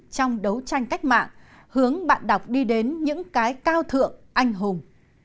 trong đấu tranh cách mạng hướng bạn đọc đi đến những cái cao thượng anh hùng